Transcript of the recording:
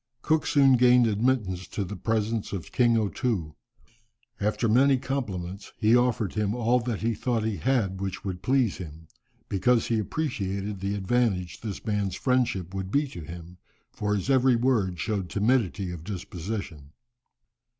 Cook soon gained admittance to the presence of King O Too. After many compliments he offered him all that he thought he had which would please him, because he appreciated the advantage this man's friendship would be to him, for his every word showed timidity of disposition.